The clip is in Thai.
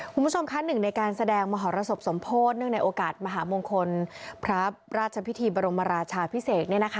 คุณผู้ชมคะหนึ่งในการแสดงมหรสบสมโพธิเนื่องในโอกาสมหามงคลพระราชพิธีบรมราชาพิเศษ